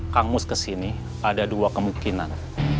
kang mus kesini ada dua kemungkinan